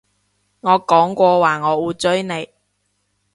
我講過話我會追你